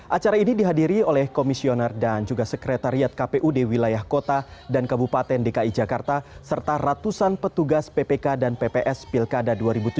acara ini dihadiri oleh komisioner dan juga sekretariat kpud wilayah kota dan kabupaten dki jakarta serta ratusan petugas ppk dan pps pilkada dua ribu tujuh belas